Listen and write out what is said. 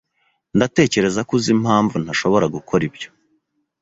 Ndatekereza ko uzi impamvu ntashobora gukora ibyo.